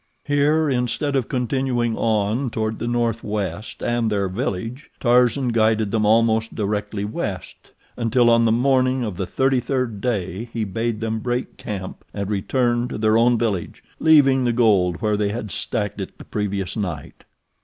Here, instead of continuing on toward the northwest and their village, Tarzan guided them almost directly west, until on the morning of the thirty third day he bade them break camp and return to their own village, leaving the gold where they had stacked it the previous night.